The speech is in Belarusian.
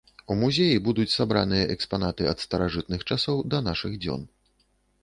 У музеі будуць сабраныя экспанаты ад старажытных часоў да нашых дзён.